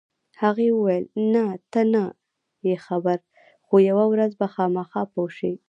هغې وویل: نه، ته نه یې خبر، خو یوه ورځ به خامخا پوه شې.